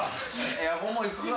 エアコンも行くか。